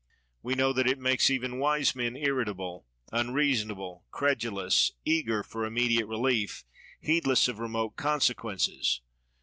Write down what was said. We know that it makes even wise men irritable, unreasonable, credulous, eager for immediate relief, heedless of remote consequences.